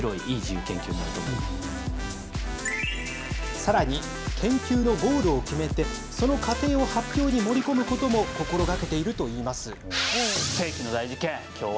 さらに、研究のゴールを決めて、その過程を発表に盛り込むことも心がけているといいます。